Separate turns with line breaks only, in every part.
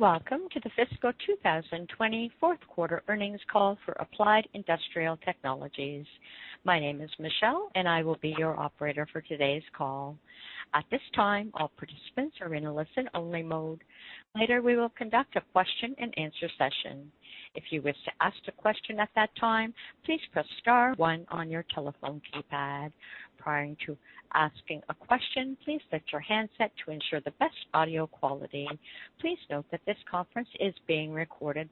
Welcome to the fiscal 2020 fourth quarter earnings call for Applied Industrial Technologies. My name is Michelle, and I will be your operator for today's call. At this time, all participants are in a listen-only mode. Later, we will conduct a question-and-answer session. If you wish to ask a question at that time, please press star one on your telephone keypad. Prior to asking a question, please mute your handset to ensure the best audio quality. Please note that this conference is being recorded.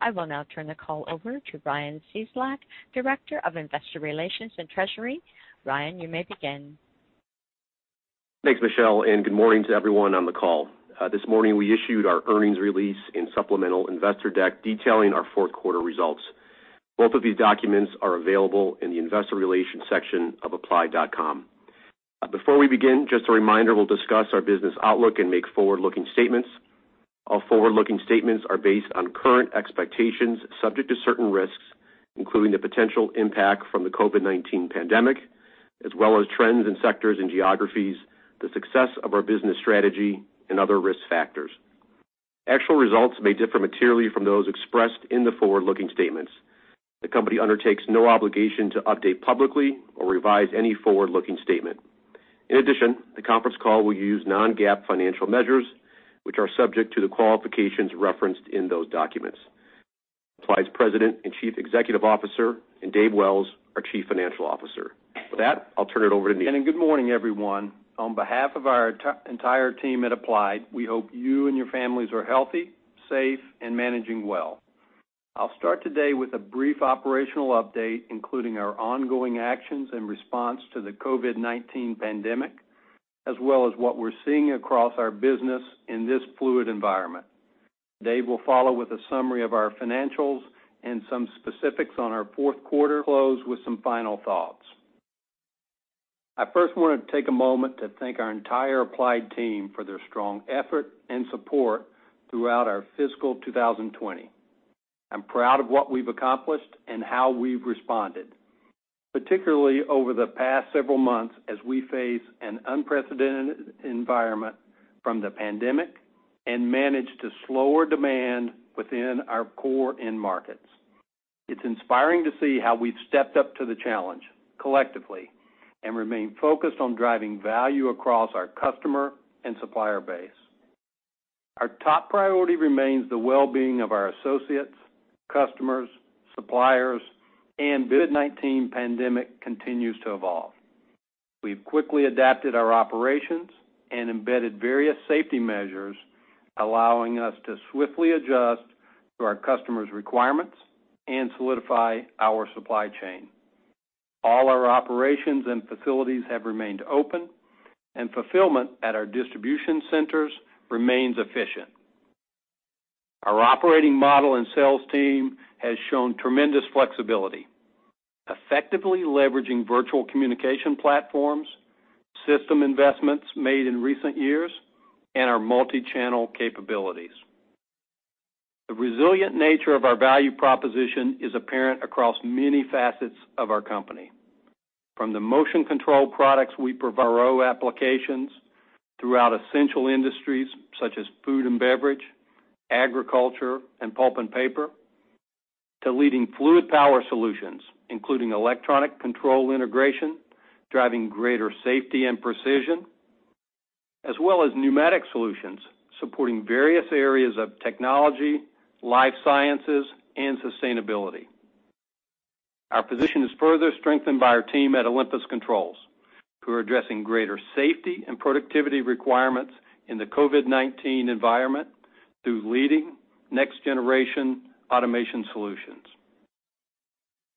I will now turn the call over to Ryan Cieslak, Director of Investor Relations and Treasury. Ryan, you may begin.
Thanks, Michelle, good morning to everyone on the call. This morning, we issued our earnings release and supplemental investor deck detailing our fourth quarter results. Both of these documents are available in the investor relations section of applied.com. Before we begin, just a reminder, we'll discuss our business outlook and make forward-looking statements. All forward-looking statements are based on current expectations, subject to certain risks, including the potential impact from the COVID-19 pandemic, as well as trends in sectors and geographies, the success of our business strategy, and other risk factors. Actual results may differ materially from those expressed in the forward-looking statements. The company undertakes no obligation to update publicly or revise any forward-looking statement. The conference call will use non-GAAP financial measures, which are subject to the qualifications referenced in those documents. Vice President and Chief Executive Officer, and Dave Wells, our Chief Financial Officer. With that, I'll turn it over to Neil.
Good morning, everyone. On behalf of our entire team at Applied, we hope you and your families are healthy, safe, and managing well. I'll start today with a brief operational update, including our ongoing actions in response to the COVID-19 pandemic, as well as what we're seeing across our business in this fluid environment. Dave will follow with a summary of our financials and some specifics on our fourth quarter, close with some final thoughts. I first want to take a moment to thank our entire Applied team for their strong effort and support throughout our fiscal 2020. I'm proud of what we've accomplished and how we've responded, particularly over the past several months as we face an unprecedented environment from the pandemic and manage to slower demand within our core end markets. It's inspiring to see how we've stepped up to the challenge collectively and remain focused on driving value across our customer and supplier base. Our top priority remains the well-being of our associates, customers, suppliers, and COVID-19 pandemic continues to evolve. We've quickly adapted our operations and embedded various safety measures, allowing us to swiftly adjust to our customers' requirements and solidify our supply chain. All our operations and facilities have remained open, and fulfillment at our distribution centers remains efficient. Our operating model and sales team has shown tremendous flexibility, effectively leveraging virtual communication platforms, system investments made in recent years, and our multi-channel capabilities. The resilient nature of our value proposition is apparent across many facets of our company. From the motion control products we provide applications throughout essential industries such as food and beverage, agriculture, and pulp and paper, to leading fluid power solutions, including electronic control integration, driving greater safety and precision, as well as pneumatic solutions, supporting various areas of technology, life sciences, and sustainability. Our position is further strengthened by our team at Olympus Controls, who are addressing greater safety and productivity requirements in the COVID-19 environment through leading next-generation automation solutions.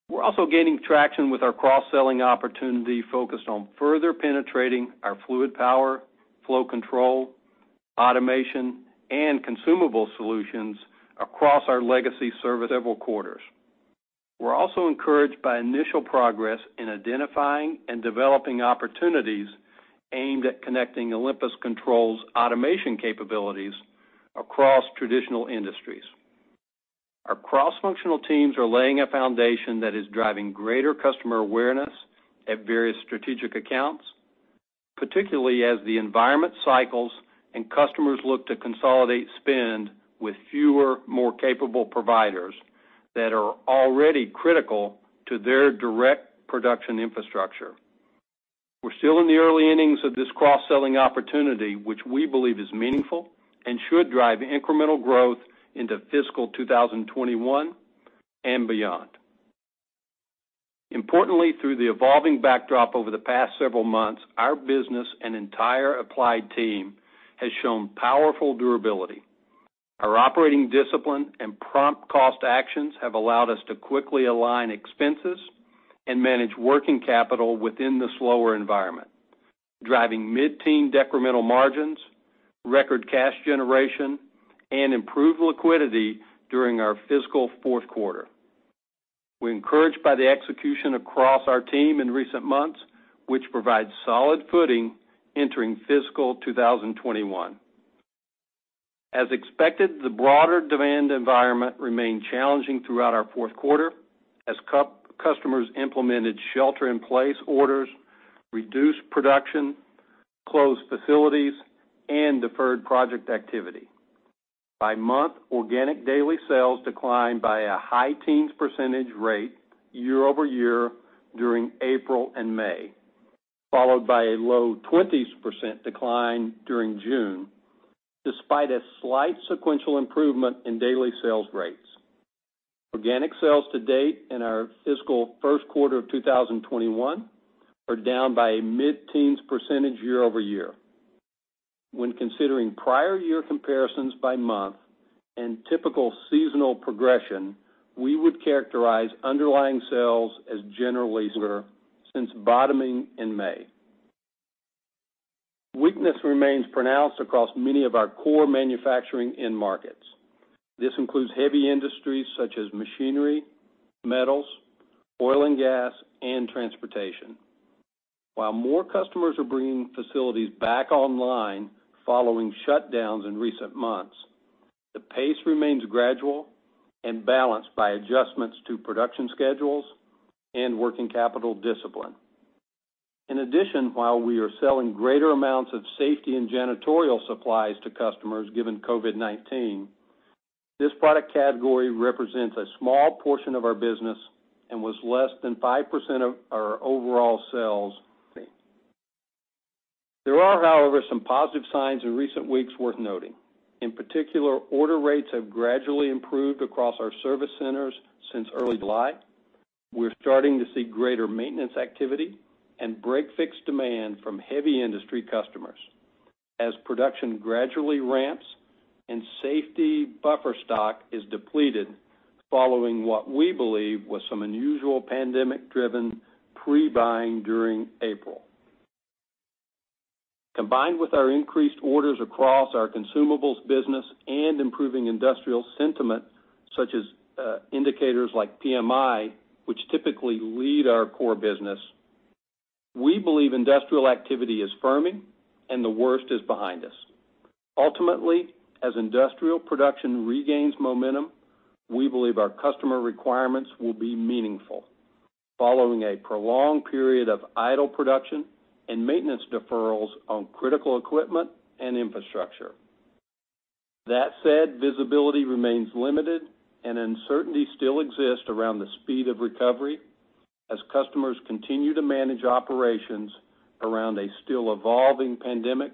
We're also gaining traction with our cross-selling opportunity focused on further penetrating our Fluid Power, Flow Control, automation, and consumable solutions across our legacy service several quarters. We're also encouraged by initial progress in identifying and developing opportunities aimed at connecting Olympus Controls' automation capabilities across traditional industries. Our cross-functional teams are laying a foundation that is driving greater customer awareness at various strategic accounts, particularly as the environment cycles and customers look to consolidate spend with fewer, more capable providers that are already critical to their direct production infrastructure. We're still in the early innings of this cross-selling opportunity, which we believe is meaningful and should drive incremental growth into fiscal 2021 and beyond. Importantly, through the evolving backdrop over the past several months, our business and entire Applied team has shown powerful durability. Our operating discipline and prompt cost actions have allowed us to quickly align expenses and manage working capital within the slower environment, driving mid-teen decremental margins, record cash generation, and improved liquidity during our fiscal fourth quarter. We're encouraged by the execution across our team in recent months, which provides solid footing entering fiscal 2021. As expected, the broader demand environment remained challenging throughout our fourth quarter as customers implemented shelter-in-place orders, reduced production, closed facilities, and deferred project activity. By month, organic daily sales declined by a high teens percentage rate year-over-year during April and May, followed by a low 20s% decline during June, despite a slight sequential improvement in daily sales rates. Organic sales to date in our fiscal first quarter of 2021 are down by a mid-teens percentage year-over-year. When considering prior year comparisons by month and typical seasonal progression, we would characterize underlying sales as generally slower since bottoming in May. Weakness remains pronounced across many of our core manufacturing end markets. This includes heavy industries such as machinery, metals, oil and gas, and transportation. While more customers are bringing facilities back online following shutdowns in recent months, the pace remains gradual and balanced by adjustments to production schedules and working capital discipline. While we are selling greater amounts of safety and janitorial supplies to customers given COVID-19, this product category represents a small portion of our business and was less than 5% of our overall sales. There are, however, some positive signs in recent weeks worth noting. Order rates have gradually improved across our Service Centers since early July. We're starting to see greater maintenance activity and break-fix demand from heavy industry customers as production gradually ramps and safety buffer stock is depleted following what we believe was some unusual pandemic-driven pre-buying during April. Combined with our increased orders across our consumables business and improving industrial sentiment, such as indicators like PMI, which typically lead our core business, we believe industrial activity is firming and the worst is behind us. Ultimately, as industrial production regains momentum, we believe our customer requirements will be meaningful following a prolonged period of idle production and maintenance deferrals on critical equipment and infrastructure. That said, visibility remains limited and uncertainty still exists around the speed of recovery as customers continue to manage operations around a still-evolving pandemic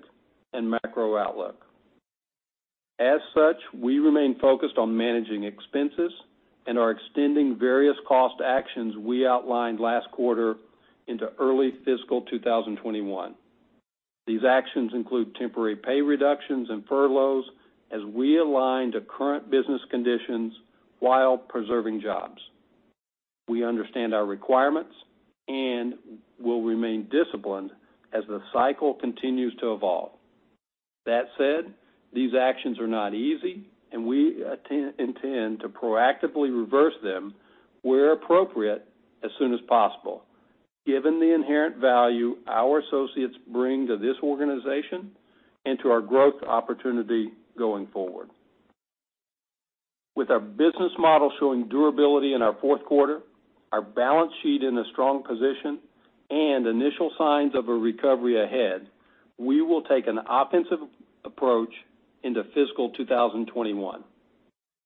and macro outlook. As such, we remain focused on managing expenses and are extending various cost actions we outlined last quarter into early fiscal 2021. These actions include temporary pay reductions and furloughs as we align to current business conditions while preserving jobs. We understand our requirements and will remain disciplined as the cycle continues to evolve. That said, these actions are not easy and we intend to proactively reverse them where appropriate as soon as possible, given the inherent value our associates bring to this organization and to our growth opportunity going forward. With our business model showing durability in our fourth quarter, our balance sheet in a strong position, and initial signs of a recovery ahead, we will take an offensive approach into fiscal 2021.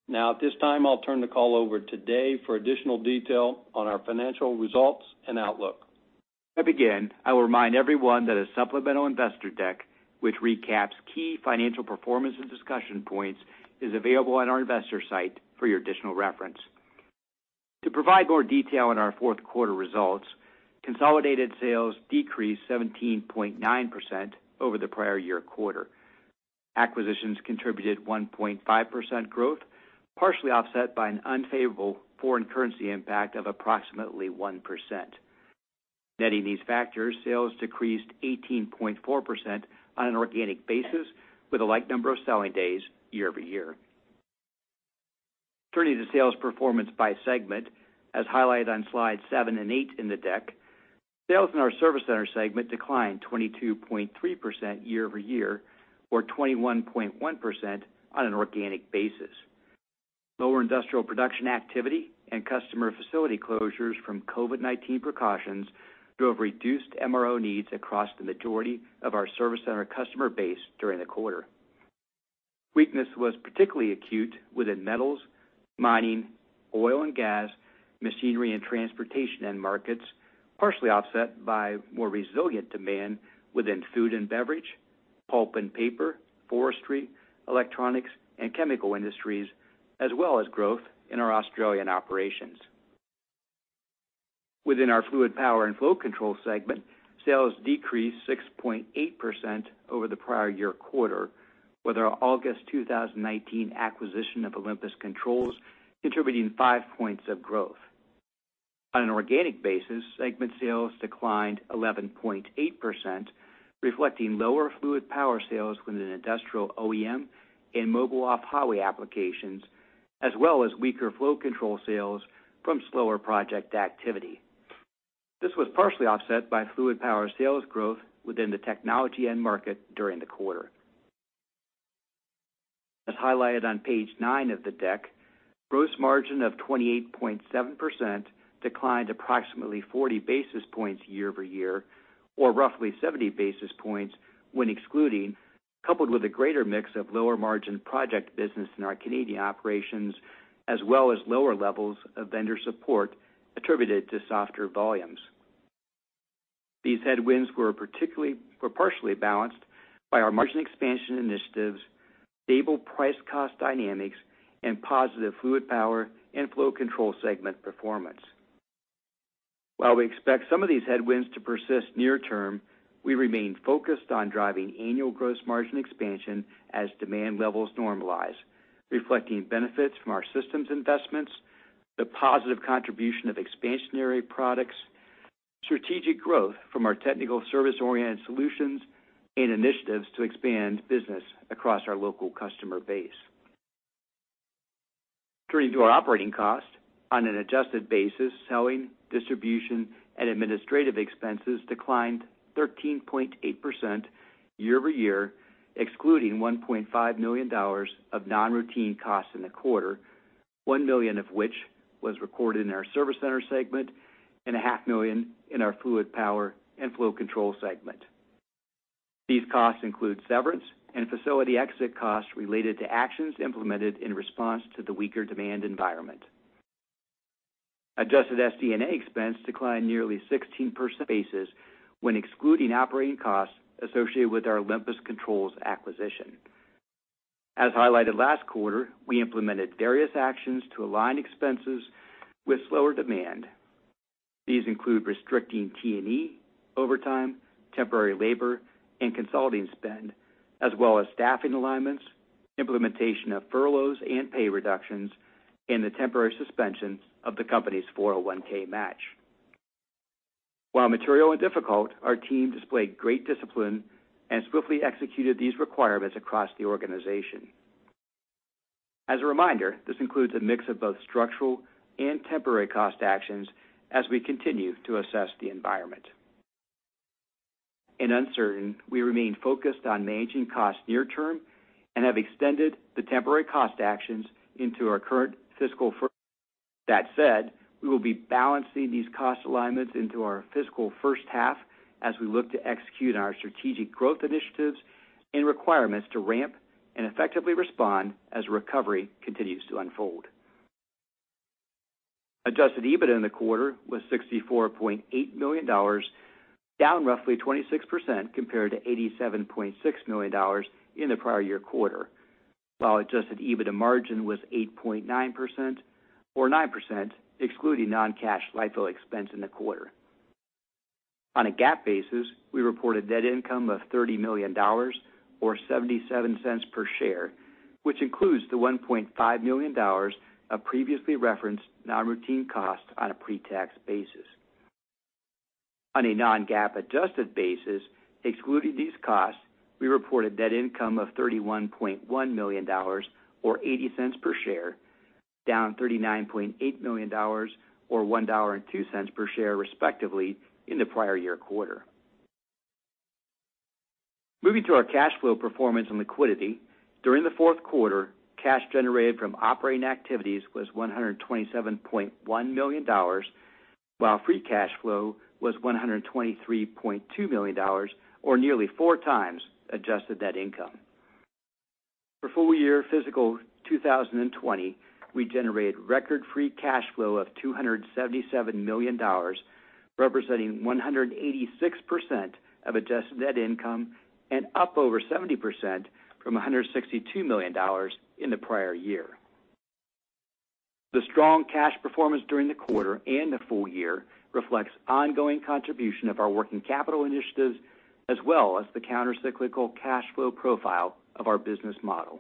At this time, I'll turn the call over to Dave for additional detail on our financial results and outlook.
Before I begin, I will remind everyone that a supplemental investor deck, which recaps key financial performance and discussion points, is available on our investor site for your additional reference. To provide more detail on our fourth quarter results, consolidated sales decreased 17.9% over the prior year quarter. Acquisitions contributed 1.5% growth, partially offset by an unfavorable foreign currency impact of approximately 1%. Netting these factors, sales decreased 18.4% on an organic basis with a like number of selling days year-over-year. Turning to sales performance by segment, as highlighted on slides seven and eight in the deck, sales in our Service Center segment declined 22.3% year-over-year or 21.1% on an organic basis. Lower industrial production activity and customer facility closures from COVID-19 precautions drove reduced MRO needs across the majority of our Service Center customer base during the quarter. Weakness was particularly acute within metals, mining, oil and gas, machinery, and transportation end markets, partially offset by more resilient demand within food and beverage, pulp and paper, forestry, electronics, and chemical industries, as well as growth in our Australian operations. Within our Fluid Power and Flow Control segment, sales decreased 6.8% over the prior year quarter, with our August 2019 acquisition of Olympus Controls contributing five points of growth. On an organic basis, segment sales declined 11.8%, reflecting lower Fluid Power sales within an industrial OEM and mobile off-highway applications, as well as weaker Flow Control sales from slower project activity. This was partially offset by Fluid Power sales growth within the technology end market during the quarter. Highlighted on page nine of the deck, gross margin of 28.7% declined approximately 40 basis points year-over-year, or roughly 70 basis points when excluding, coupled with a greater mix of lower margin project business in our Canadian operations, as well as lower levels of vendor support attributed to softer volumes. These headwinds were partially balanced by our margin expansion initiatives, stable price cost dynamics, and positive Fluid Power and Flow Control segment performance. We expect some of these headwinds to persist near-term, we remain focused on driving annual gross margin expansion as demand levels normalize, reflecting benefits from our systems investments, the positive contribution of expansionary products, strategic growth from our technical service-oriented solutions, and initiatives to expand business across our local customer base. Turning to our operating cost. On an adjusted basis, selling, distribution, and administrative expenses declined 13.8% year-over-year, excluding $1.5 million of non-routine costs in the quarter, $1 million of which was recorded in our Service Center segment and a half million in our Fluid Power and Flow Control segment. These costs include severance and facility exit costs related to actions implemented in response to the weaker demand environment. Adjusted SG&A expense declined nearly 16% basis when excluding operating costs associated with our Olympus Controls acquisition. As highlighted last quarter, we implemented various actions to align expenses with slower demand. These include restricting T&E, overtime, temporary labor, and consulting spend, as well as staffing alignments, implementation of furloughs and pay reductions, and the temporary suspensions of the company's 401(k) match. While material and difficult, our team displayed great discipline and swiftly executed these requirements across the organization. As a reminder, this includes a mix of both structural and temporary cost actions as we continue to assess the environment. In uncertain, we remain focused on managing costs near term and have extended the temporary cost actions into our current fiscal first. That said we will be balancing these cost alignments into our fiscal first half as we look to execute on our strategic growth initiatives and requirements to ramp and effectively respond as recovery continues to unfold. Adjusted EBITDA in the quarter was $64.8 million, down roughly 26% compared to $87.6 million in the prior year quarter. Adjusted EBITDA margin was 8.9%, or 9% excluding non-cash LIFO expense in the quarter. On a GAAP basis, we reported net income of $30 million or $0.77 per share, which includes the $1.5 million of previously referenced non-routine costs on a pre-tax basis. On a non-GAAP adjusted basis, excluding these costs, we reported net income of $31.1 million or $0.80 per share, down $39.8 million or $1.02 per share, respectively, in the prior year quarter. Moving to our cash flow performance and liquidity. During the fourth quarter, cash generated from operating activities was $127.1 million, while free cash flow was $123.2 million, or nearly four times adjusted net income. For full year fiscal 2020, we generated record free cash flow of $277 million, representing 186% of adjusted net income, and up over 70% from $162 million in the prior year. The strong cash performance during the quarter and the full year reflects ongoing contribution of our working capital initiatives, as well as the counter-cyclical cash flow profile of our business model.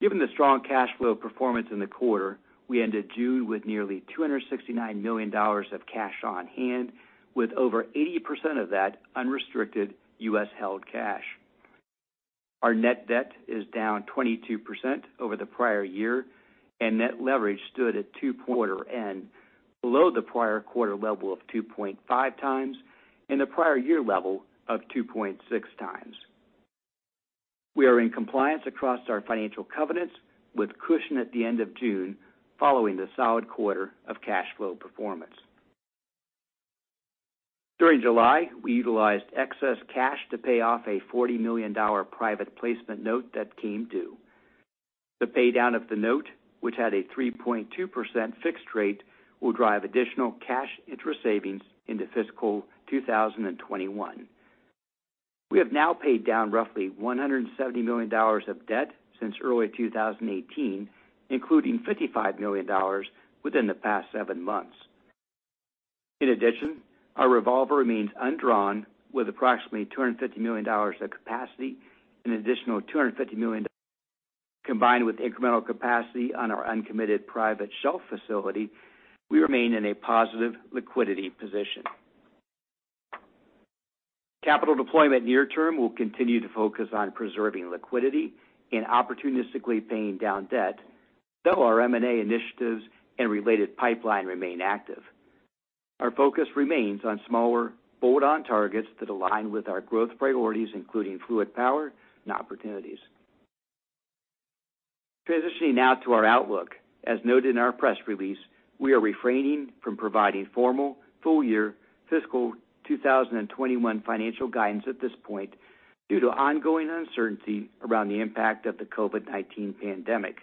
Given the strong cash flow performance in the quarter, we ended June with nearly $269 million of cash on hand, with over 80% of that unrestricted U.S.-held cash. Our net debt is down 22% over the prior year, and net leverage stood at two quarter end, below the prior quarter level of 2.5 times and the prior year level of 2.6 times. We are in compliance across our financial covenants with cushion at the end of June following the solid quarter of cash flow performance. During July, we utilized excess cash to pay off a $40 million private placement note that came due. The pay-down of the note, which had a 3.2% fixed rate, will drive additional cash interest savings into fiscal 2021. We have now paid down roughly $170 million of debt since early 2018, including $55 million within the past seven months. In addition, our revolver remains undrawn with approximately $250 million of capacity, an additional $250 million. Combined with incremental capacity on our uncommitted private shelf facility, we remain in a positive liquidity position. Capital deployment near term will continue to focus on preserving liquidity and opportunistically paying down debt, though our M&A initiatives and related pipeline remain active. Our focus remains on smaller bolt-on targets that align with our growth priorities, including Fluid Power and opportunities. Transitioning now to our outlook. As noted in our press release, we are refraining from providing formal full-year fiscal 2021 financial guidance at this point due to ongoing uncertainty around the impact of the COVID-19 pandemic.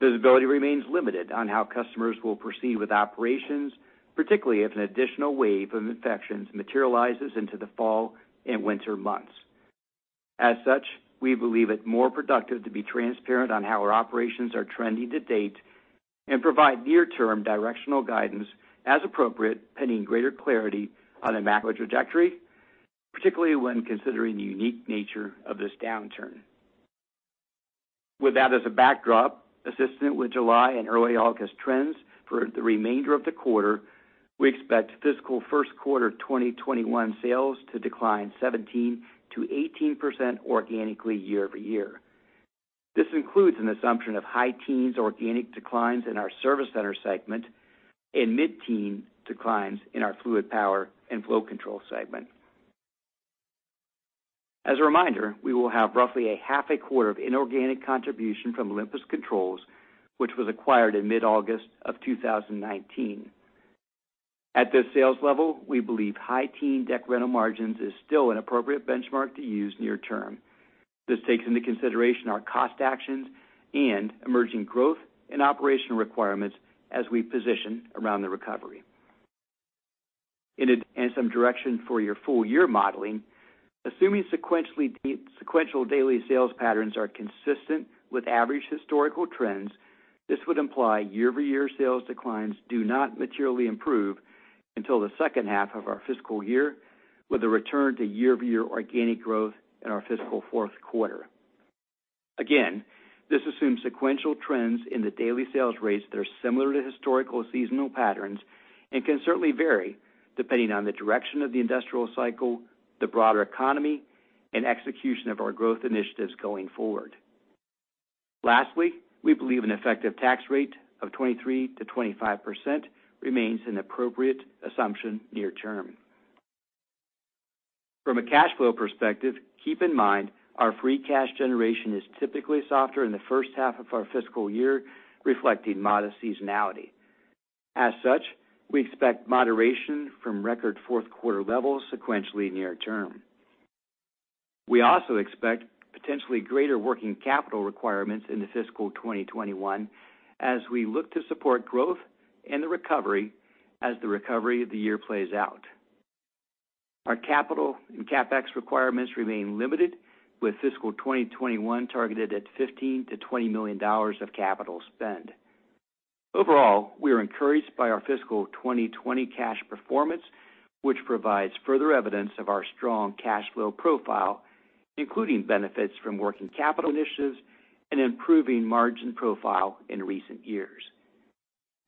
Visibility remains limited on how customers will proceed with operations, particularly if an additional wave of infections materializes into the fall and winter months. As such, we believe it more productive to be transparent on how our operations are trending to date and provide near-term directional guidance as appropriate, pending greater clarity on the macro trajectory, particularly when considering the unique nature of this downturn. With that as a backdrop, consistent with July and early August trends for the remainder of the quarter, we expect fiscal first quarter 2021 sales to decline 17%-18% organically year-over-year. This includes an assumption of high teens organic declines in our Service Center segment and mid-teen declines in our Fluid Power and Flow Control segment. As a reminder, we will have roughly a half a quarter of inorganic contribution from Olympus Controls, which was acquired in mid-August of 2019. At this sales level, we believe high teen decremental margins is still an appropriate benchmark to use near term. This takes into consideration our cost actions and emerging growth and operational requirements as we position around the recovery. Some direction for your full year modeling, assuming sequential daily sales patterns are consistent with average historical trends, this would imply year-over-year sales declines do not materially improve until the second half of our fiscal year, with a return to year-over-year organic growth in our fiscal fourth quarter. Again, this assumes sequential trends in the daily sales rates that are similar to historical seasonal patterns and can certainly vary depending on the direction of the industrial cycle, the broader economy, and execution of our growth initiatives going forward. Lastly, we believe an effective tax rate of 23%-25% remains an appropriate assumption near term. From a cash flow perspective, keep in mind our free cash generation is typically softer in the first half of our fiscal year, reflecting modest seasonality. As such, we expect moderation from record fourth quarter levels sequentially near term. We also expect potentially greater working capital requirements into fiscal 2021 as we look to support growth and the recovery as the recovery of the year plays out. Our capital and CapEx requirements remain limited with fiscal 2021 targeted at $15 million-$20 million of capital spend. Overall, we are encouraged by our fiscal 2020 cash performance, which provides further evidence of our strong cash flow profile, including benefits from working capital initiatives and improving margin profile in recent years.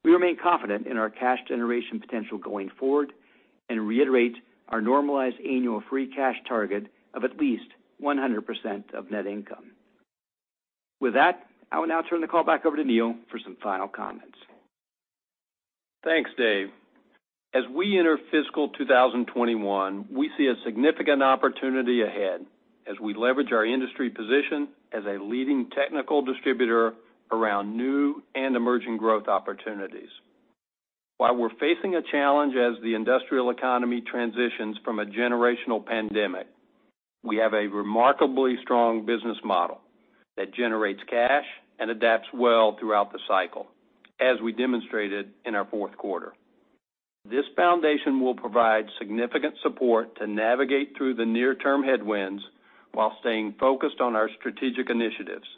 We remain confident in our cash generation potential going forward and reiterate our normalized annual free cash target of at least 100% of net income. With that, I will now turn the call back over to Neil for some final comments.
Thanks, Dave. As we enter fiscal 2021, we see a significant opportunity ahead as we leverage our industry position as a leading technical distributor around new and emerging growth opportunities. While we're facing a challenge as the industrial economy transitions from a generational pandemic, we have a remarkably strong business model that generates cash and adapts well throughout the cycle, as we demonstrated in our fourth quarter. This foundation will provide significant support to navigate through the near-term headwinds while staying focused on our strategic initiatives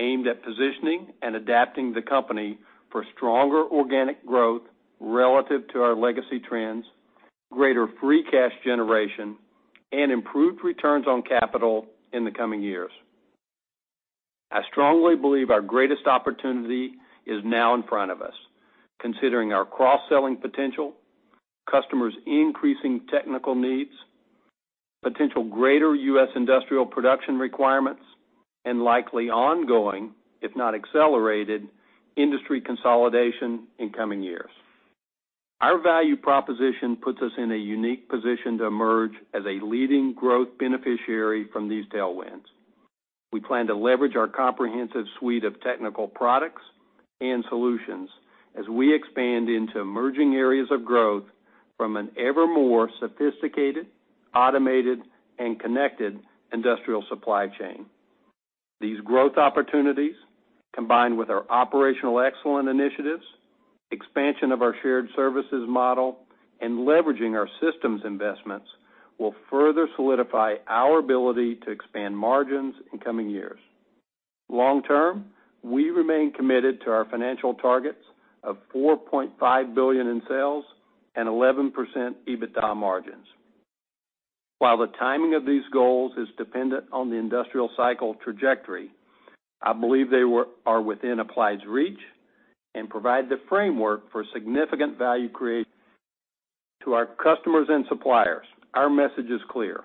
aimed at positioning and adapting the company for stronger organic growth relative to our legacy trends, greater free cash generation, and improved returns on capital in the coming years. I strongly believe our greatest opportunity is now in front of us, considering our cross-selling potential, customers' increasing technical needs, potential greater U.S. industrial production requirements, and likely ongoing, if not accelerated, industry consolidation in coming years. Our value proposition puts us in a unique position to emerge as a leading growth beneficiary from these tailwinds. We plan to leverage our comprehensive suite of technical products and solutions as we expand into emerging areas of growth from an ever more sophisticated, automated, and connected industrial supply chain. These growth opportunities, combined with our operational excellence initiatives, expansion of our shared services model, and leveraging our systems investments, will further solidify our ability to expand margins in coming years. Long term, we remain committed to our financial targets of $4.5 billion in sales and 11% EBITDA margins. While the timing of these goals is dependent on the industrial cycle trajectory, I believe they are within Applied's reach and provide the framework for significant value creation. To our customers and suppliers, our message is clear: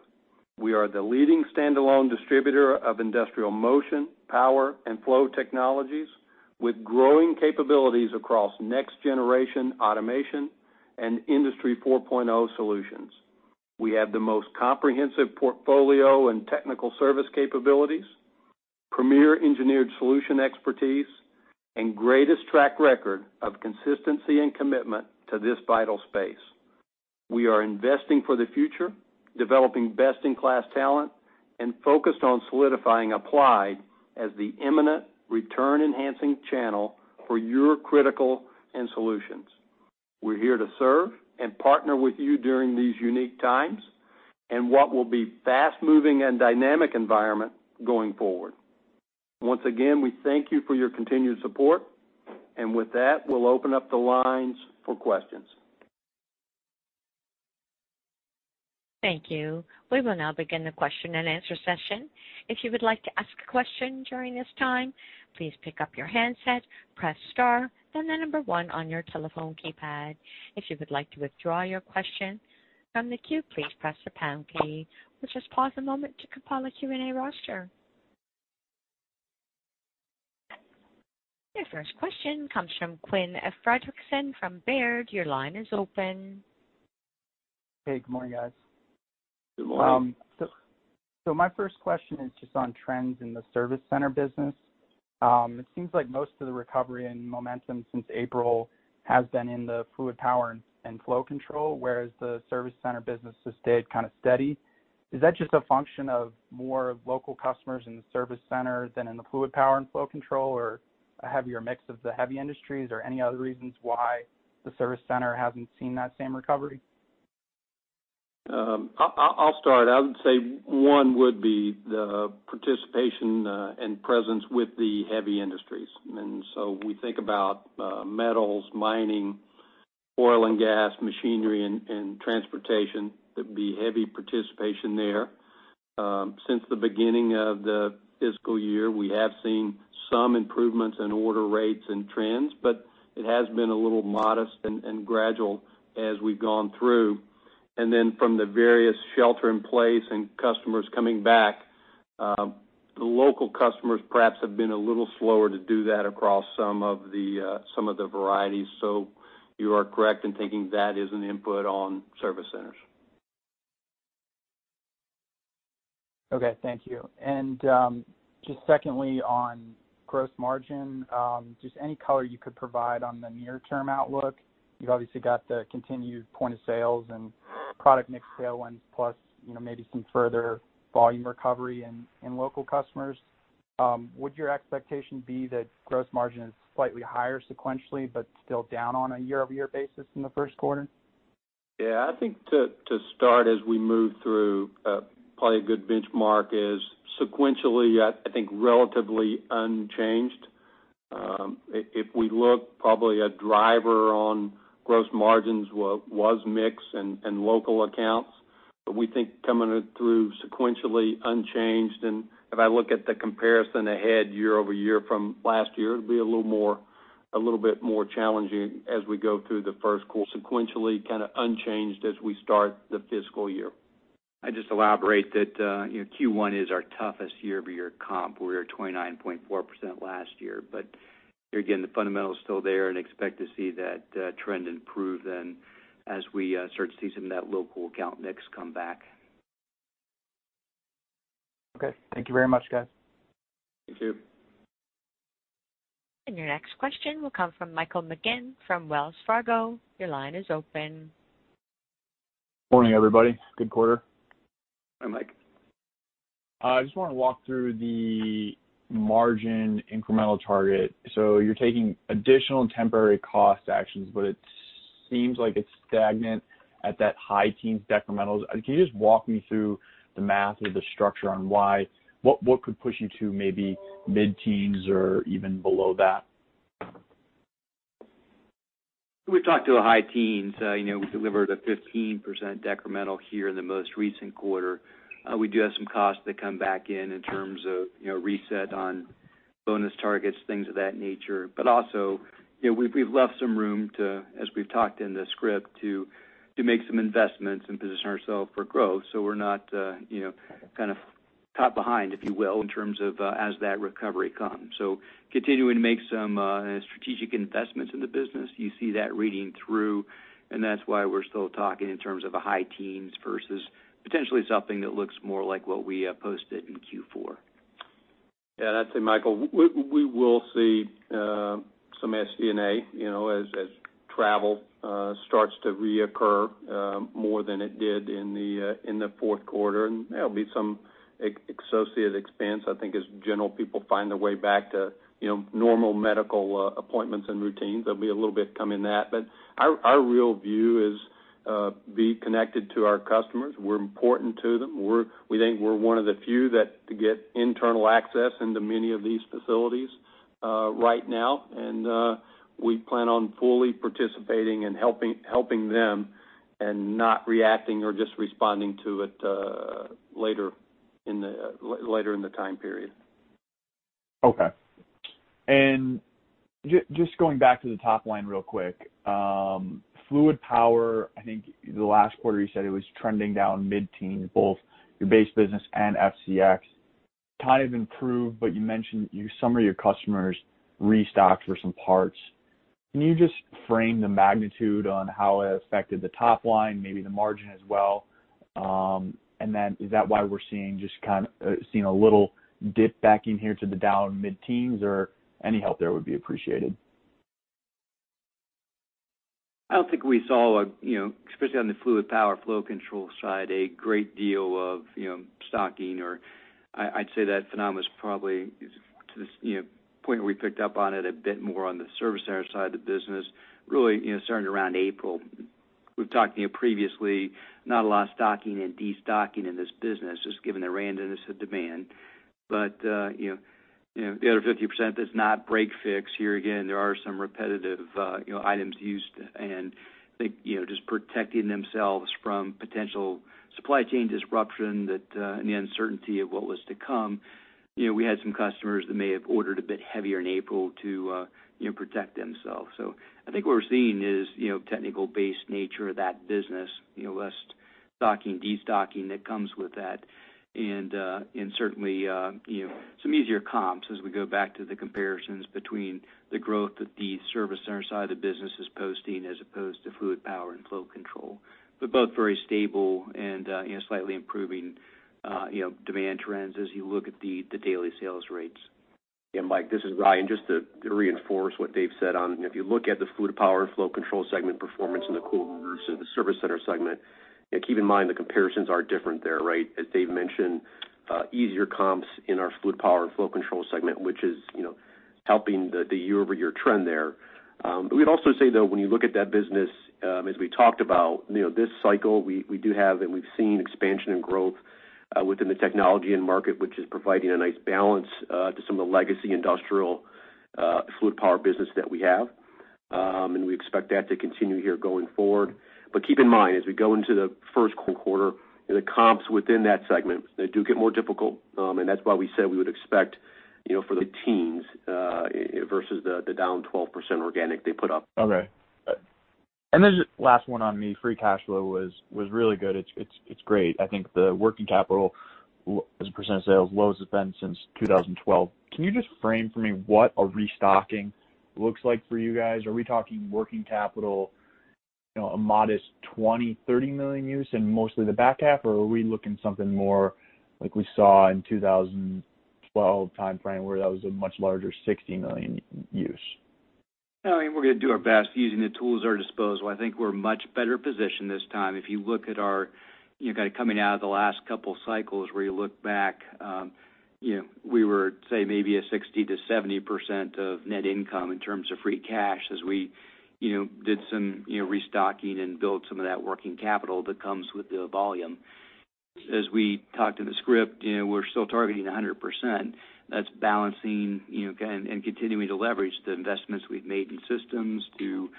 We are the leading standalone distributor of industrial motion, power, and flow technologies with growing capabilities across next-generation automation and Industry 4.0 solutions. We have the most comprehensive portfolio and technical service capabilities, premier engineered solution expertise, and greatest track record of consistency and commitment to this vital space. We are investing for the future, developing best-in-class talent, and focused on solidifying Applied as the eminent return-enhancing channel for your critical end solutions. We're here to serve and partner with you during these unique times and what will be fast-moving and dynamic environment going forward. Once again, we thank you for your continued support. With that, we'll open up the lines for questions.
Thank you. We will now begin the question-and-answer session. If you would like to ask question during this time, please pick up your handset, press star and then number one on your telephone keypad. If you would like to withdraw your question, kindly just please press the pound key. We'll just pause a moment to compile a Q&A roster. Your first question comes from Quinn Fredrickson from Baird. Your line is open.
Hey, good morning, guys.
Good morning.
My first question is just on trends in the Service Center business. It seems like most of the recovery and momentum since April has been in the Fluid Power and Flow Control, whereas the Service Center business has stayed kind of steady. Is that just a function of more local customers in the Service Center than in the Fluid Power and Flow Control, or a heavier mix of the heavy industries, or any other reasons why the Service Center hasn't seen that same recovery?
I'll start. I would say one would be the participation and presence with the heavy industries. We think about metals, mining, oil and gas, machinery, and transportation. There'd be heavy participation there. Since the beginning of the fiscal year, we have seen some improvements in order rates and trends, but it has been a little modest and gradual as we've gone through. From the various shelter in place and customers coming back, the local customers perhaps have been a little slower to do that across some of the varieties. You are correct in thinking that is an input on Service Center segment.
Okay. Thank you. Just secondly, on gross margin, just any color you could provide on the near-term outlook. You've obviously got the continued point of sales and product mix sale wins plus maybe some further volume recovery in local customers. Would your expectation be that gross margin is slightly higher sequentially, but still down on a year-over-year basis in the first quarter?
Yeah, I think to start as we move through, probably a good benchmark is sequentially, I think relatively unchanged. If we look probably a driver on gross margins was mix and local accounts. We think coming through sequentially unchanged, and if I look at the comparison ahead year-over-year from last year, it'll be a little bit more challenging as we go through the first quarter, sequentially kind of unchanged as we start the fiscal year.
I'd just elaborate that Q1 is our toughest year-over-year comp, where we were at 29.4% last year. Again, the fundamental is still there and expect to see that trend improve then as we start to see some of that local account mix come back.
Okay. Thank you very much, guys.
Thank you.
Your next question will come from Michael McGinn from Wells Fargo. Your line is open.
Morning, everybody. Good quarter.
Hi, Mike.
I just want to walk through the margin incremental target. You're taking additional temporary cost actions, but it seems like it's stagnant at that high teens decremental. Can you just walk me through the math or the structure on why? What could push you to maybe mid-teens or even below that?
We talked to the high teens. We delivered a 15% decremental here in the most recent quarter. We do have some costs that come back in terms of reset on bonus targets, things of that nature. Also, we've left some room to, as we've talked in the script, to make some investments and position ourselves for growth so we're not kind of caught behind, if you will, in terms of as that recovery comes. Continuing to make some strategic investments in the business, you see that reading through, and that's why we're still talking in terms of a high teens versus potentially something that looks more like what we posted in Q4.
I'd say, Michael, we will see some SG&A as travel starts to reoccur more than it did in the fourth quarter. There'll be some associate expense, I think, as general people find their way back to normal medical appointments and routines. There'll be a little bit come in that. Our real view is be connected to our customers. We're important to them. We think we're one of the few that get internal access into many of these facilities right now, and we plan on fully participating and helping them and not reacting or just responding to it later in the time period.
Okay. Just going back to the top line real quick. Fluid Power, I think the last quarter you said it was trending down mid-teens, both your base business and FCX. Time improved, but you mentioned some of your customers restocked for some parts. Can you just frame the magnitude on how it affected the top line, maybe the margin as well? Is that why we're seeing a little dip back in here to the down mid-teens or any help there would be appreciated.
I don't think we saw, especially on Fluid Power and Flow Control side, a great deal of stocking or I'd say that phenomenon is probably, to the point where we picked up on it a bit more on the Service Center side of the business really starting around April. We've talked previously, not a lot of stocking and de-stocking in this business, just given the randomness of demand. The other 50% that's not break-fix. Here again, there are some repetitive items used and I think just protecting themselves from potential supply chain disruption that and the uncertainty of what was to come. We had some customers that may have ordered a bit heavier in April to protect themselves. I think what we're seeing is technical base nature of that business, less stocking, de-stocking that comes with that. Certainly some easier comps as we go back to the comparisons between the growth that the Service Center side of the business is posting as opposed to Fluid Power and Flow Control. Both very stable and slightly improving demand trends as you look at the daily sales rates.
Yeah, Mike, this is Ryan. Just to reinforce what Dave said on. If you look at the Fluid Power and Flow Control segment performance in the quarters in the Service Center segment, keep in mind the comparisons are different there, right? As Dave mentioned, easier comps in our Fluid Power and Flow Control segment, which is helping the year-over-year trend there. We'd also say, though, when you look at that business as we talked about this cycle, we do have and we've seen expansion and growth within the technology and market, which is providing a nice balance to some of the legacy industrial fluid power business that we have. We expect that to continue here going forward. Keep in mind, as we go into the first quarter, the comps within that segment, they do get more difficult. That's why we said we would expect for the teens versus the down 12% organic they put up.
Okay. Just last one on me, free cash flow was really good. It's great. I think the working capital as a percent of sales, lowest it's been since 2012. Can you just frame for me what a restocking looks like for you guys? Are we talking working capital, a modest $20 million-$30 million use in mostly the back half? Are we looking something more like we saw in 2012 timeframe where that was a much larger $60 million use?
We're going to do our best using the tools at our disposal. I think we're much better positioned this time. If you look at our coming out of the last couple of cycles where you look back we were, say, maybe a 60%-70% of net income in terms of free cash as we did some restocking and built some of that working capital that comes with the volume. We talked in the script, we're still targeting 100%. That's balancing and continuing to leverage the investments we've made in systems to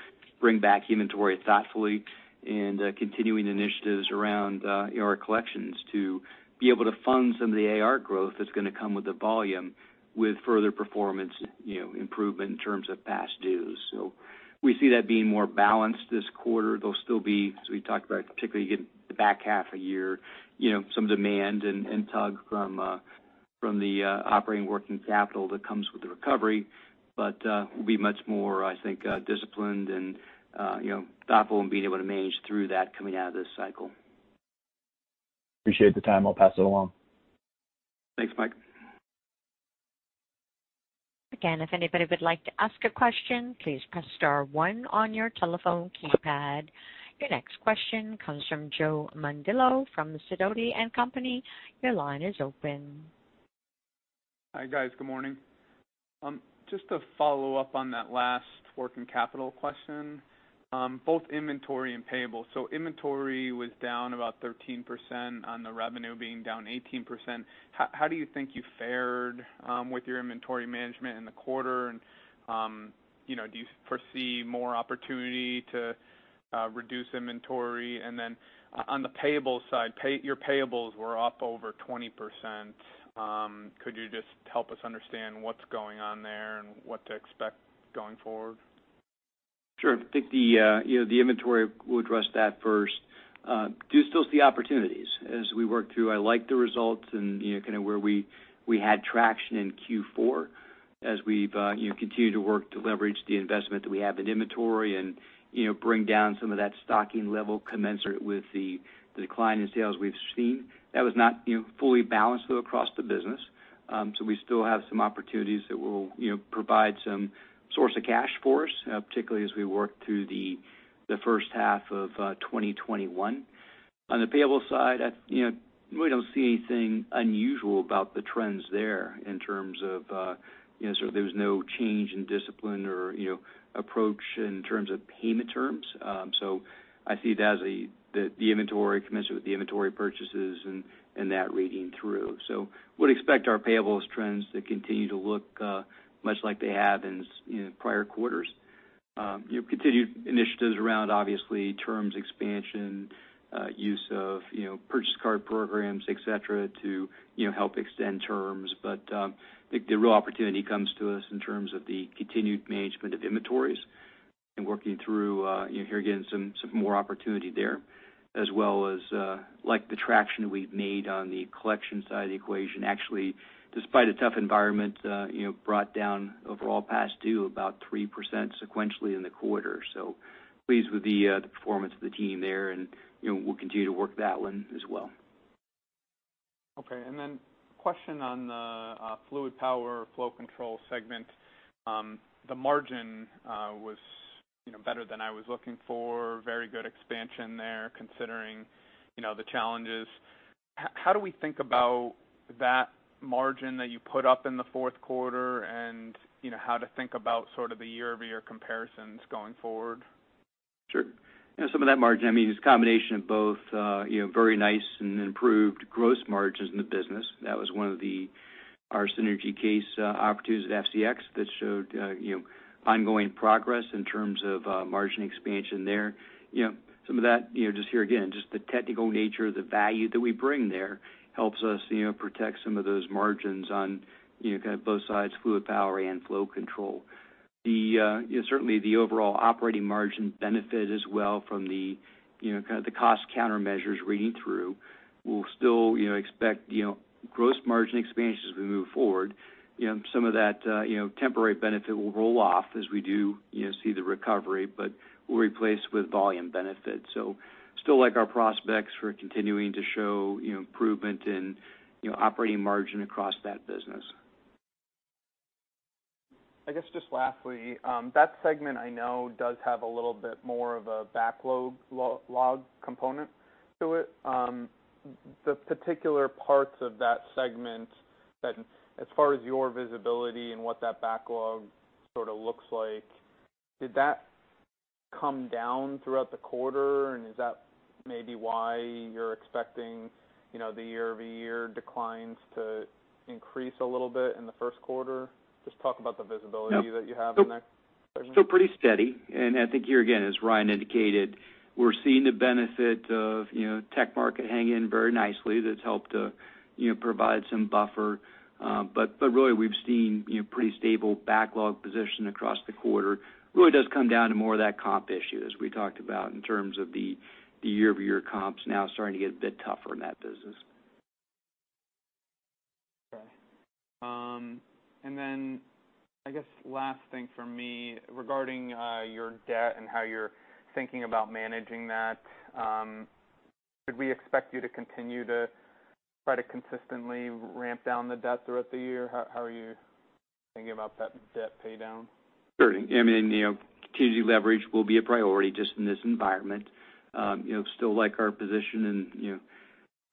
bring back inventory thoughtfully and continuing initiatives around our collections to be able to fund some of the AR growth that's going to come with the volume with further performance improvement in terms of past dues. We see that being more balanced this quarter. There'll still be, as we talked about, particularly in the back half of year, some demand and tug from the operating working capital that comes with the recovery. We'll be much more, I think, disciplined and thoughtful in being able to manage through that coming out of this cycle.
Appreciate the time. I'll pass it along.
Thanks, Mike.
Again if anybody would like to ask a question, please press star one on your telephone keypad. Your next question comes from Joe Mondillo from Sidoti & Company. Your line is open.
Hi, guys. Good morning. Just to follow up on that last working capital question, both inventory and payables. Inventory was down about 13% on the revenue being down 18%. How do you think you fared with your inventory management in the quarter? Do you foresee more opportunity to reduce inventory? On the payables side, your payables were up over 20%. Could you just help us understand what's going on there and what to expect going forward?
Sure. I think the inventory, we'll address that first. Do you still see opportunities as we work through? I like the results and kind of where we had traction in Q4 as we've continued to work to leverage the investment that we have in inventory and bring down some of that stocking level commensurate with the decline in sales we've seen. That was not fully balanced though, across the business. We still have some opportunities that will provide some source of cash for us, particularly as we work through the first half of 2021. On the payable side, we don't see anything unusual about the trends there in terms of there was no change in discipline or approach in terms of payment terms. I see it as the inventory commensurate with the inventory purchases and that reading through. Would expect our payables trends to continue to look much like they have in prior quarters. Continued initiatives around, obviously, terms expansion, use of purchase card programs, et cetera, to help extend terms. I think the real opportunity comes to us in terms of the continued management of inventories and working through, here again, some more opportunity there, as well as the traction we've made on the collection side of the equation. Actually, despite a tough environment, brought down overall past due about 3% sequentially in the quarter. Pleased with the performance of the team there, and we'll continue to work that one as well.
Okay, question on Fluid Power, Flow Control segment. The margin was better than I was looking for. Very good expansion there considering the challenges. How do we think about that margin that you put up in the fourth quarter and how to think about sort of the year-over-year comparisons going forward?
Sure. Some of that margin, it's a combination of both very nice and improved gross margins in the business. That was one of our synergy case opportunities at FCX that showed ongoing progress in terms of margin expansion there. Some of that, just here again, just the technical nature of the value that we bring there helps us protect some of those margins on kind of both sides, Fluid Power and Flow Control. Certainly, the overall operating margin benefit as well from the kind of the cost countermeasures reading through. We'll still expect gross margin expansion as we move forward. Some of that temporary benefit will roll off as we do see the recovery, but we'll replace with volume benefit. Still like our prospects for continuing to show improvement in operating margin across that business.
I guess just lastly, that segment I know does have a little bit more of a backlog component to it. The particular parts of that segment that as far as your visibility and what that backlog sort of looks like, did that come down throughout the quarter? Is that maybe why you're expecting the year-over-year declines to increase a little bit in the first quarter? Just talk about the visibility that you have in that segment.
Still pretty steady. I think here again, as Ryan indicated, we're seeing the benefit of tech market hanging very nicely. That's helped to provide some buffer. Really we've seen pretty stable backlog position across the quarter. Really does come down to more of that comp issue, as we talked about in terms of the year-over-year comps now starting to get a bit tougher in that business.
Okay. I guess last thing from me regarding your debt and how you're thinking about managing that. Should we expect you to continue to try to consistently ramp down the debt throughout the year? How are you thinking about that debt pay down?
Sure. Continuing to deleverage will be a priority just in this environment. Still like our position in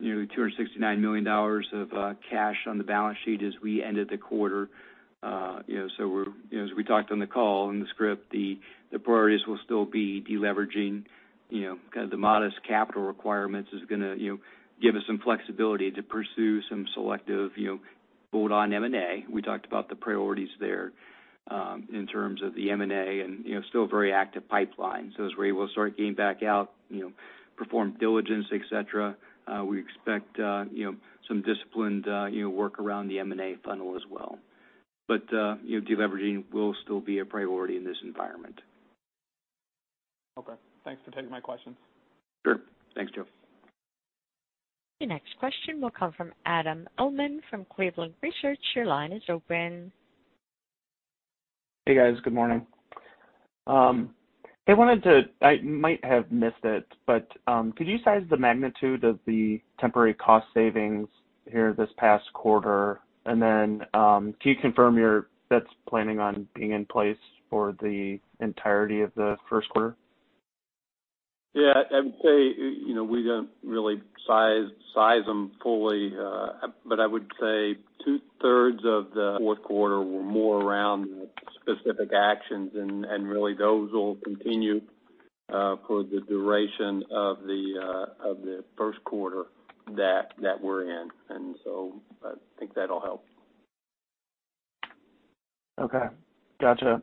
$269 million of cash on the balance sheet as we ended the quarter. As we talked on the call, in the script, the priorities will still be deleveraging. Kind of the modest capital requirements is going to give us some flexibility to pursue some selective bolt-on M&A. We talked about the priorities there in terms of the M&A, and still a very active pipeline. As we're able to start getting back out, perform diligence, et cetera, we expect some disciplined work around the M&A funnel as well. Deleveraging will still be a priority in this environment.
Okay. Thanks for taking my questions.
Sure. Thanks, Joe.
Your next question will come from Adam Uhlman from Cleveland Research. Your line is open.
Hey, guys. Good morning. I might have missed it, but could you size the magnitude of the temporary cost savings here this past quarter? Can you confirm that's planning on being in place for the entirety of the first quarter?
Yeah, I would say, we don't really size them fully. I would say two-thirds of the fourth quarter were more around specific actions, and really those will continue for the duration of the first quarter that we're in. I think that'll help.
Okay. Gotcha.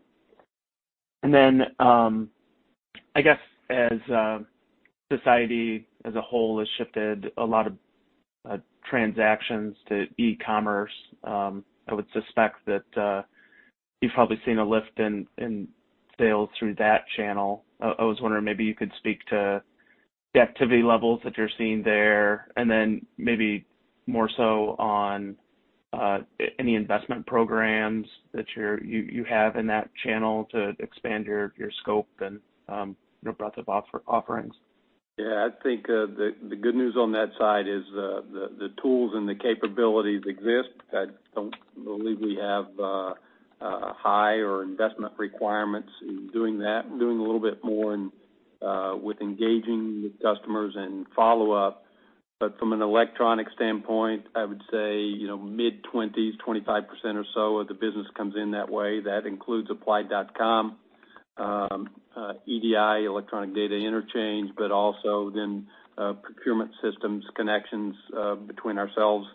I guess as society as a whole has shifted a lot of transactions to e-commerce, I would suspect that you've probably seen a lift in sales through that channel. I was wondering maybe you could speak to the activity levels that you're seeing there, maybe more so on any investment programs that you have in that channel to expand your scope and breadth of offerings.
Yeah, I think the good news on that side is the tools and the capabilities exist. I don't believe we have high or investment requirements in doing that. We're doing a little bit more with engaging with customers and follow-up. From an electronic standpoint, I would say mid-20s, 25% or so of the business comes in that way. That includes applied.com, EDI, electronic data interchange, but also then procurement systems, connections between ourselves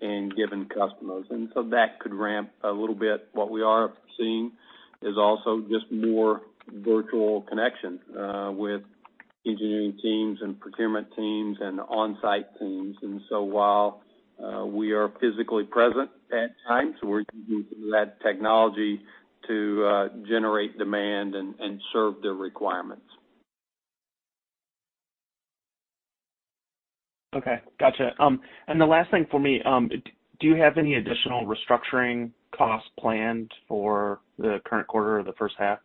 and given customers. That could ramp a little bit. What we are seeing is also just more virtual connection with engineering teams and procurement teams and onsite teams. While we are physically present at sites, we're using that technology to generate demand and serve their requirements.
Okay, got you. The last thing for me, do you have any additional restructuring costs planned for the current quarter or the first half?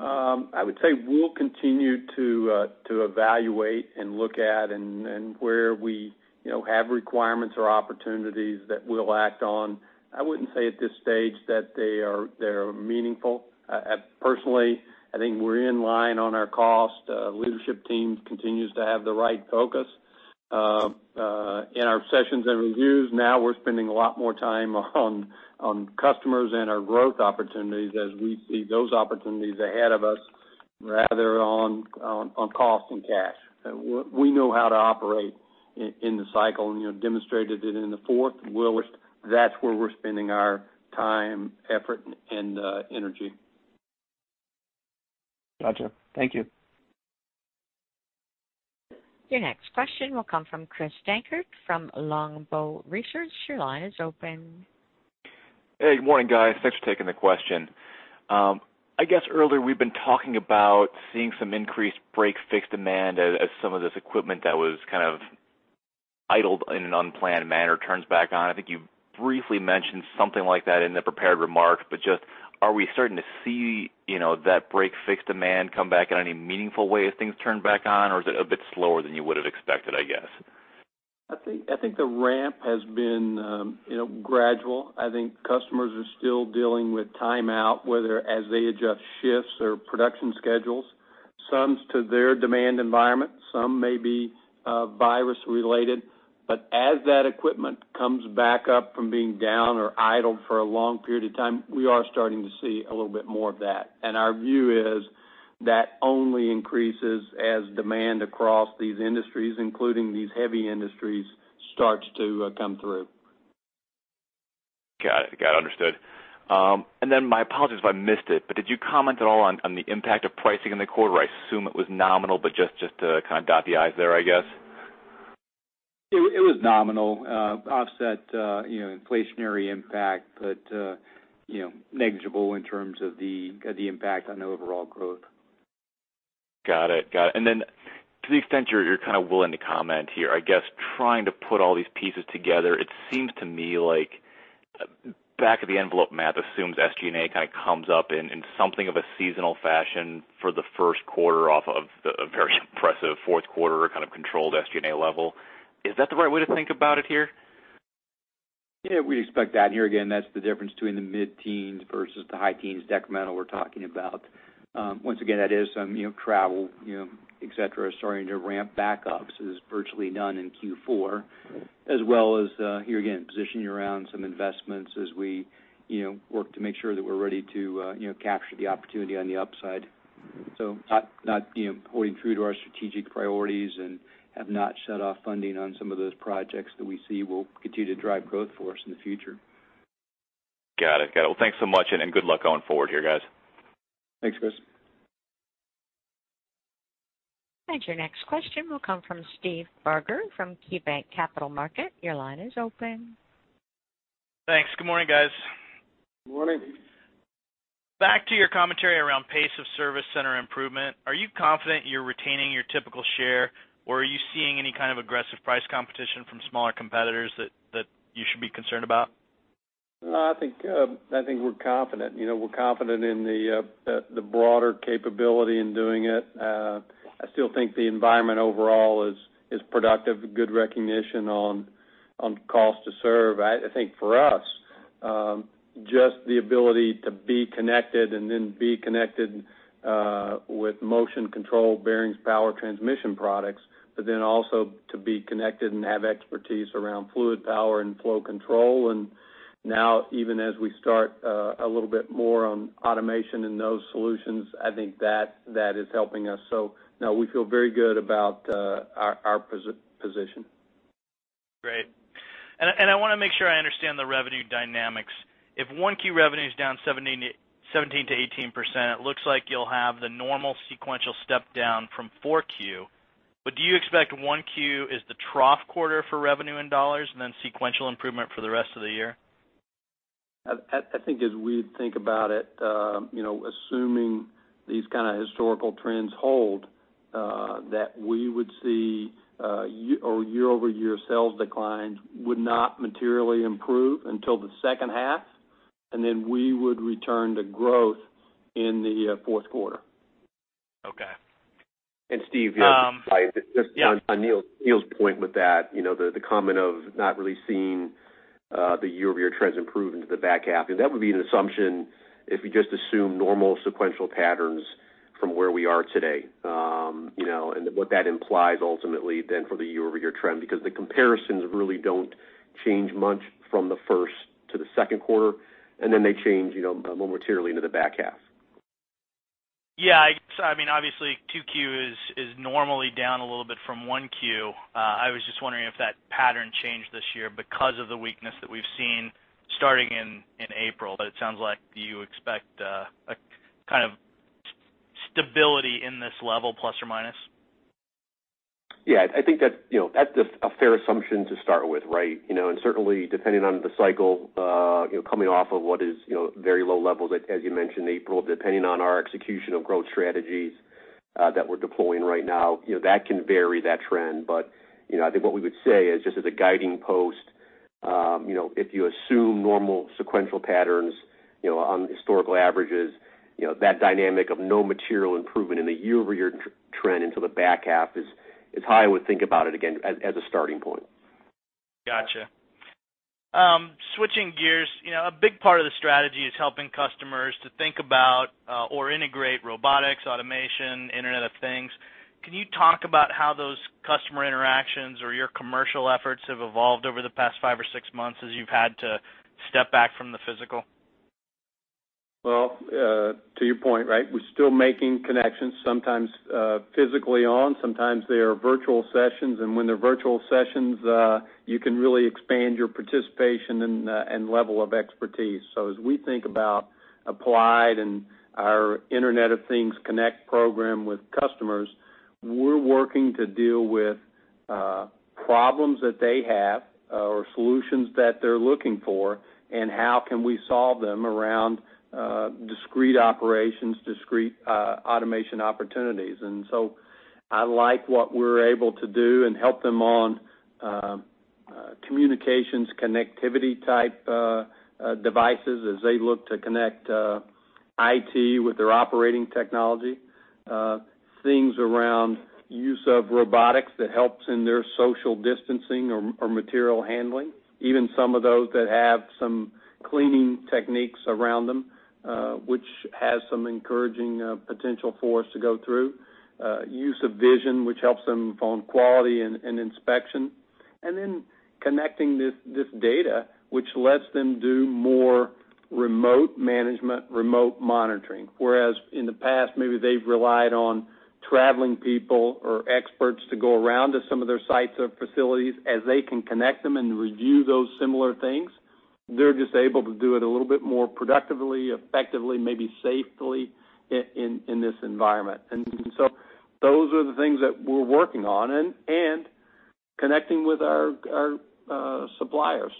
I would say we'll continue to evaluate and look at and where we have requirements or opportunities that we'll act on. I wouldn't say at this stage that they're meaningful. Personally, I think we're in line on our cost. Leadership team continues to have the right focus. In our sessions and reviews now, we're spending a lot more time on customers and our growth opportunities as we see those opportunities ahead of us, rather on cost and cash. We know how to operate in the cycle, and demonstrated it in the fourth. That's where we're spending our time, effort, and energy.
Got you. Thank you.
Your next question will come from Chris Dankert from Longbow Research. Your line is open.
Hey, good morning, guys. Thanks for taking the question. I guess earlier we've been talking about seeing some increased break-fix demand as some of this equipment that was kind of idled in an unplanned manner turns back on. I think you briefly mentioned something like that in the prepared remarks. Just are we starting to see that break-fix demand come back in any meaningful way as things turn back on, or is it a bit slower than you would've expected, I guess?
I think the ramp has been gradual. I think customers are still dealing with time out, whether as they adjust shifts or production schedules. Some to their demand environment, some may be virus related. As that equipment comes back up from being down or idled for a long period of time, we are starting to see a little bit more of that. Our view is that only increases as demand across these industries, including these heavy industries, starts to come through.
Got it. Understood. My apologies if I missed it, did you comment at all on the impact of pricing in the quarter? I assume it was nominal, just to kind of dot the i's there, I guess.
It was nominal. Offset inflationary impact, but negligible in terms of the impact on overall growth.
Got it. To the extent you're kind of willing to comment here, I guess trying to put all these pieces together, it seems to me like back of the envelope math assumes SG&A kind of comes up in something of a seasonal fashion for the first quarter off of a very impressive fourth quarter, kind of controlled SG&A level. Is that the right way to think about it here?
Yeah. We expect that here. That's the difference between the mid-teens versus the high teens decremental we're talking about. That is some travel, et cetera, starting to ramp back up, so it was virtually none in Q4. Here again, positioning around some investments as we work to make sure that we're ready to capture the opportunity on the upside. Not pulling through to our strategic priorities and have not shut off funding on some of those projects that we see will continue to drive growth for us in the future.
Got it. Well, thanks so much, and good luck going forward here, guys.
Thanks, Chris.
Your next question will come from Steve Barger from KeyBanc Capital Markets. Your line is open.
Thanks. Good morning, guys.
Good morning.
Back to your commentary around pace of Service Center improvement. Are you confident you're retaining your typical share, or are you seeing any kind of aggressive price competition from smaller competitors that you should be concerned about?
No, I think we're confident. We're confident in the broader capability in doing it. I still think the environment overall is productive. Good recognition on cost to serve. I think for us, just the ability to be connected and then be connected with motion control bearings, power transmission products, but then also to be connected and have expertise around Fluid Power and Flow Control. Now even as we start a little bit more on automation and those solutions, I think that is helping us. No, we feel very good about our position.
Great. I want to make sure I understand the revenue dynamics. If 1Q revenue's down 17%-18%, it looks like you'll have the normal sequential step down from 4Q. Do you expect 1Q as the trough quarter for revenue in dollars and then sequential improvement for the rest of the year?
I think as we think about it, assuming these kind of historical trends hold, that we would see our year-over-year sales declines would not materially improve until the second half, and then we would return to growth in the fourth quarter.
Okay.
Steve, yeah.
Yeah.
Just on Neil's point with that, the comment of not really seeing the year-over-year trends improve into the back half, and that would be an assumption if you just assume normal sequential patterns from where we are today. What that implies ultimately then for the year-over-year trend, because the comparisons really don't change much from the first to the second quarter, and then they change more materially into the back half.
Yeah. Obviously, 2Q is normally down a little bit from 1Q. I was just wondering if that pattern changed this year because of the weakness that we've seen starting in April. It sounds like you expect a kind of stability in this level, plus or minus.
Yeah. I think that's a fair assumption to start with, right? Certainly, depending on the cycle, coming off of what is very low levels, as you mentioned, April, depending on our execution of growth strategies that we're deploying right now, that can vary that trend. I think what we would say is, just as a guiding post, if you assume normal sequential patterns on historical averages, that dynamic of no material improvement in the year-over-year trend until the back half is how I would think about it again, as a starting point.
Got you. Switching gears. A big part of the strategy is helping customers to think about, or integrate robotics, automation, Internet of Things. Can you talk about how those customer interactions or your commercial efforts have evolved over the past five or six months as you've had to step back from the physical?
Well, to your point, right? We're still making connections, sometimes physically on, sometimes they are virtual sessions. When they're virtual sessions, you can really expand your participation and level of expertise. As we think about Applied and our Internet of Things Connect Program with customers, we're working to deal with problems that they have or solutions that they're looking for, and how can we solve them around discrete operations, discrete automation opportunities. I like what we're able to do and help them on communications, connectivity type devices as they look to connect IT with their operating technology. Things around use of robotics that helps in their social distancing or material handling. Even some of those that have some cleaning techniques around them, which has some encouraging potential for us to go through. Use of vision, which helps them on quality and inspection. Connecting this data, which lets them do more remote management, remote monitoring. Whereas in the past, maybe they've relied on traveling people or experts to go around to some of their sites or facilities. As they can connect them and review those similar things, they're just able to do it a little bit more productively, effectively, maybe safely, in this environment. Those are the things that we're working on and connecting with our suppliers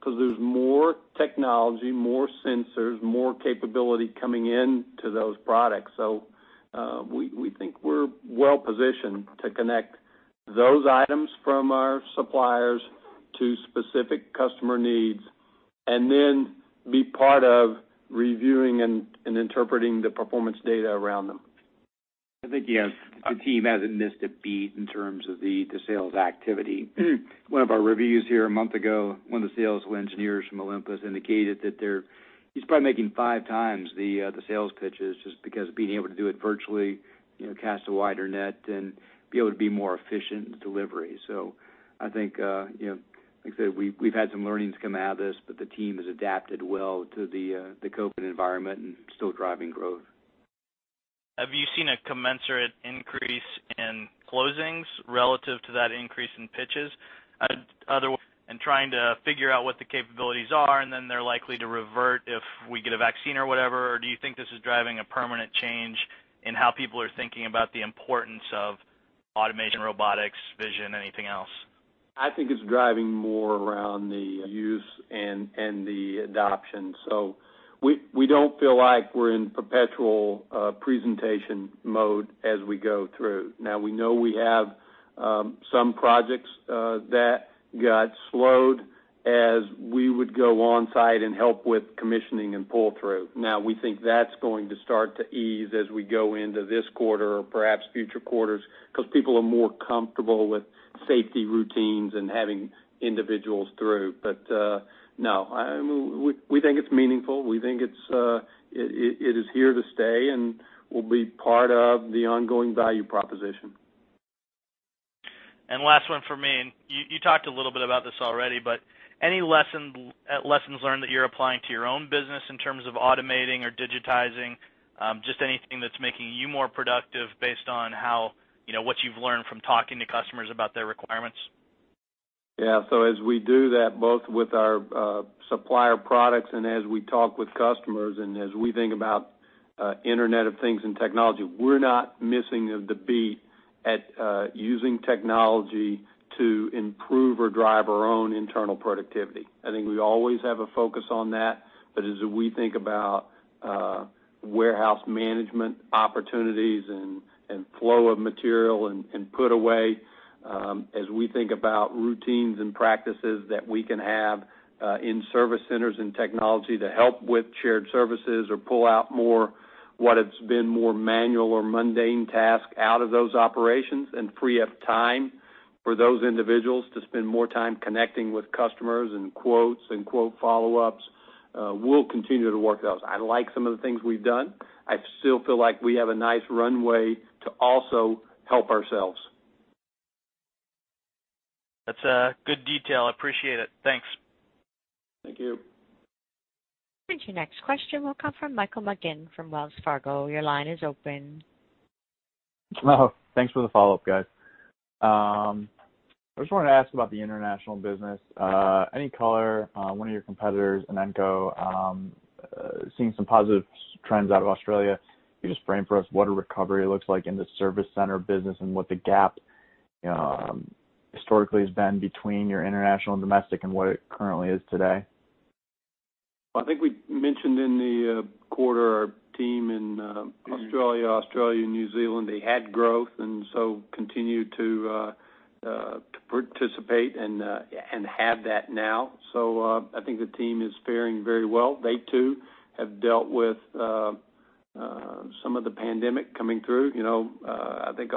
because there's more technology, more sensors, more capability coming in to those products. We think we're well-positioned to connect those items from our suppliers to specific customer needs, and then be part of reviewing and interpreting the performance data around them.
I think, yeah, our team hasn't missed a beat in terms of the sales activity. One of our reviews here a month ago, one of the sales engineers from Olympus indicated that he's probably making five times the sales pitches just because of being able to do it virtually, cast a wider net and be able to be more efficient in delivery. I think, like I said, we've had some learnings come out of this, but the team has adapted well to the COVID environment and still driving growth.
Have you seen a commensurate increase in closings relative to that increase in pitches? Otherwise, and trying to figure out what the capabilities are, and then they're likely to revert if we get a vaccine or whatever, or do you think this is driving a permanent change in how people are thinking about the importance of automation, robotics, vision, anything else?
I think it's driving more around the use and the adoption. We don't feel like we're in perpetual presentation mode as we go through. Now, we know we have some projects that got slowed as we would go on-site and help with commissioning and pull-through. Now, we think that's going to start to ease as we go into this quarter or perhaps future quarters because people are more comfortable with safety routines and having individuals through. No, we think it's meaningful. We think it is here to stay and will be part of the ongoing value proposition.
Last one from me, and you talked a little bit about this already, but any lessons learned that you're applying to your own business in terms of automating or digitizing? Just anything that's making you more productive based on what you've learned from talking to customers about their requirements?
Yeah. As we do that, both with our supplier products and as we talk with customers and as we think about Internet of Things and technology, we're not missing the beat at using technology to improve or drive our own internal productivity. I think we always have a focus on that. As we think about warehouse management opportunities and flow of material and put away, as we think about routines and practices that we can have in Service Centers and technology to help with shared services or pull out more what has been more manual or mundane task out of those operations and free up time for those individuals to spend more time connecting with customers and quotes and quote follow-ups, we'll continue to work those. I like some of the things we've done. I still feel like we have a nice runway to also help ourselves.
That's a good detail. I appreciate it. Thanks.
Thank you.
Your next question will come from Michael McGinn from Wells Fargo. Your line is open.
Hello. Thanks for the follow-up, guys. I just wanted to ask about the international business. Any color? One of your competitors, Inenco, seeing some positive trends out of Australia. Can you just frame for us what a recovery looks like in the Service Center business and what the gap historically has been between your international and domestic and what it currently is today?
I think we mentioned in the quarter our team in Australia and New Zealand, they had growth and so continue to participate and have that now. I think the team is faring very well. They too have dealt with some of the pandemic coming through. I think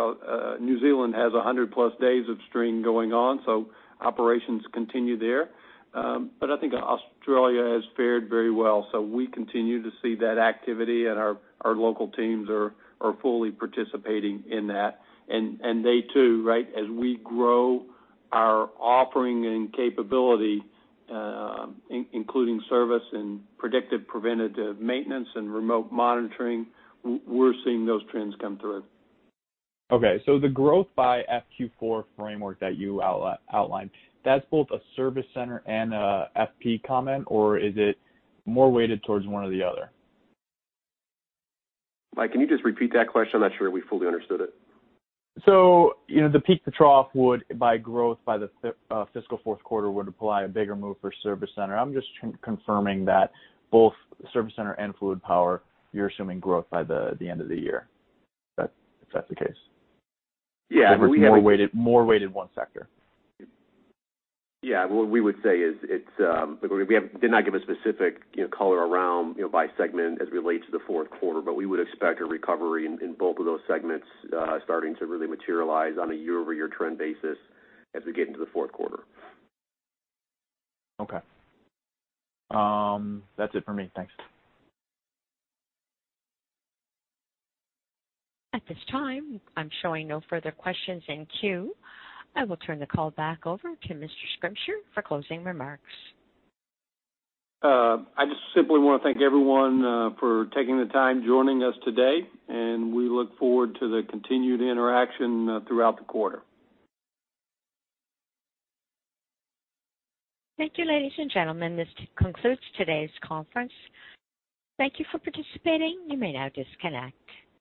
New Zealand has 100+ days of stream going on, so operations continue there. I think Australia has fared very well. We continue to see that activity, and our local teams are fully participating in that. They too, right, as we grow our offering and capability, including service and predictive preventative maintenance and remote monitoring, we're seeing those trends come through.
Okay. The growth by FQ4 framework that you outlined, that's both a Service Center and a FP comment, or is it more weighted towards one or the other?
Mike, can you just repeat that question? I'm not sure we fully understood it.
The peak-to-trough would, by growth by the fiscal fourth quarter, would imply a bigger move for Service Center. I'm just confirming that both Service Center and Fluid Power, you're assuming growth by the end of the year. If that's the case.
Yeah.
Is it more weighted one sector?
Yeah. What we would say is, we did not give a specific color around by segment as it relates to the fourth quarter, but we would expect a recovery in both of those segments starting to really materialize on a year-over-year trend basis as we get into the fourth quarter.
Okay. That's it for me. Thanks.
At this time, I'm showing no further questions in queue. I will turn the call back over to Mr. Schrimsher for closing remarks.
I just simply want to thank everyone for taking the time joining us today. We look forward to the continued interaction throughout the quarter.
Thank you, ladies and gentlemen. This concludes today's conference. Thank you for participating. You may now disconnect.